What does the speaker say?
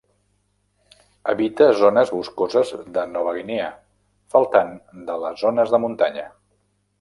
Habita zones boscoses de Nova Guinea, faltant de les zones de muntanya.